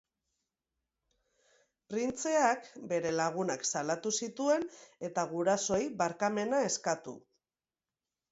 Printzeak bere lagunak salatu zituen eta gurasoei barkamena eskatu.